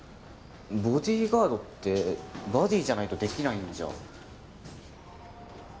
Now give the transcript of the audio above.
ボディーガードってバディじゃないとできないんじゃ？